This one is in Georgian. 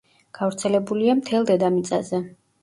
გავრცელებულია მთელ დედამიწაზე.